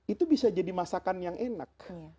itu bisa jadi masakan yang enak